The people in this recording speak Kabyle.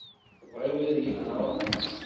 Tebɣiḍ ad yi-tenɣeḍ?